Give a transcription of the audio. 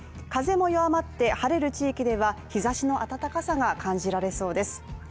風も弱まって晴れる地域では日差しの暖かさが感じられそうです。